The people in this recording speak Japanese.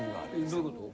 どういうこと？